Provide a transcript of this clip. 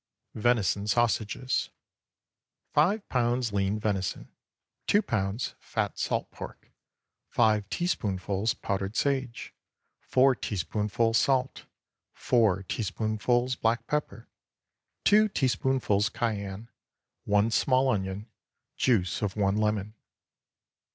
VENISON SAUSAGES. 5 lbs. lean venison. 2 lbs. fat salt pork. 5 teaspoonfuls powdered sage. 4 teaspoonfuls salt. 4 teaspoonfuls black pepper. 2 teaspoonfuls cayenne. 1 small onion. Juice of one lemon.